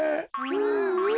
うんうん。